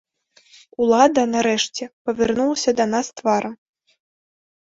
Улада, нарэшце, павярнулася да нас тварам.